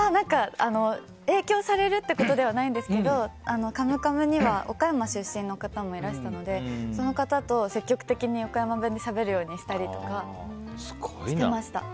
影響されるということではないんですけど「カムカム」には岡山出身の方もいらしたのでその方と、積極的に岡山弁でしゃべるようにしたりしてました。